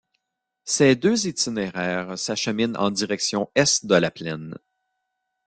Ces deux itinéraires s'acheminent en direction est de la Plaine.